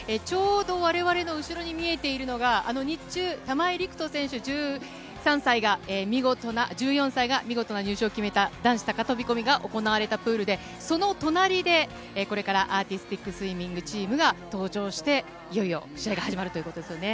我々の後ろに見えているのが日中、玉井陸斗選手、１４歳が見事な入賞を決めた男子高飛込が行われたプールで、その隣でこれからアーティスティックスイミング、チームが登場していよいよ試合が始まります。